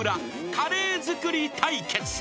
［カレー作り対決］